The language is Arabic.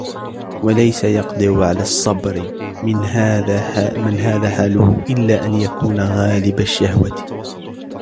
وَلَيْسَ يَقْدِرُ عَلَى الصَّبْرِ مَنْ هَذَا حَالُهُ إلَّا أَنْ يَكُونَ غَالِبَ الشَّهْوَةِ